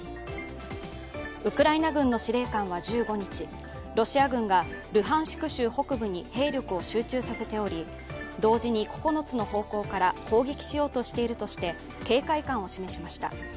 ウクライナ軍の司令官は１５日、ロシア軍がルハンシク州北部に兵力を集中させており同時に９つの方向から攻撃しようとしているとして警戒感を示しました。